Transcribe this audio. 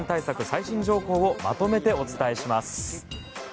最新情報をまとめてお伝えします。